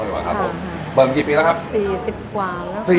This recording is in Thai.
คือเปิดตั้งแต่รุ่นคุณพ่อคุณแม่ไหม